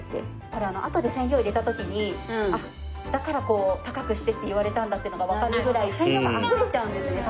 これあとで染料を入れた時にだから高くしてって言われたんだっていうのがわかるぐらい染料があふれちゃうんですね